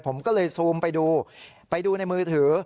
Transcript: ผมก็เลยซูมไปดูไปดูในมือถือ